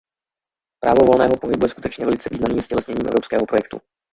Právo volného pohybu je skutečně velice významným ztělesněním evropského projektu.